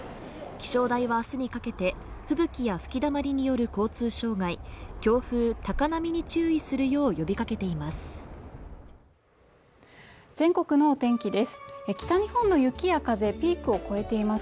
気象台はあすにかけて吹雪や吹きだまりによる交通障害強風・高波に注意するよう呼びかけています